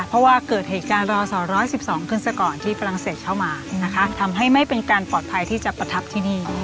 เพราะว่าเกิดเหตุการณ์รอส๑๑๒ขึ้นซะก่อนที่ฝรั่งเศสเข้ามานะคะทำให้ไม่เป็นการปลอดภัยที่จะประทับที่นี่